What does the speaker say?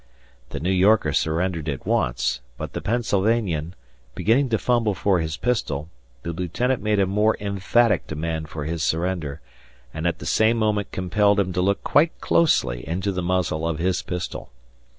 The New Yorker surrendered at once, but the Pennsylvanian, beginning to fumble for his pistol, the lieutenant made a more emphatic demand for his surrender, and at the same moment compelled him to look quite closely into the muzzle of his pistol.